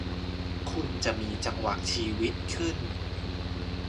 คุณจะมีจังหวะชีวิตขึ้น